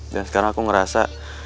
dan sekarang aku ngerasa